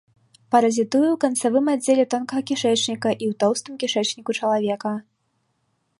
Паразітуе ў канцавым аддзеле тонкага кішэчніка і ў тоўстым кішэчніку чалавека.